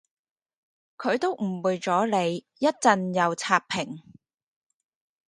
佢都誤會咗你，一陣又會刷屏